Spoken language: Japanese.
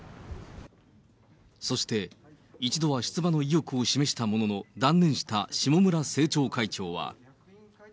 そして、一度は出馬の意欲を示したものの、断念した下村政調会長は。